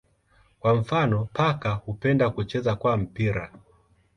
Kwa mfano paka hupenda kucheza kwa mpira.